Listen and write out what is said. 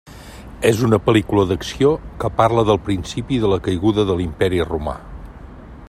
És una pel·lícula d'acció que parla del principi de la caiguda de l'Imperi Romà.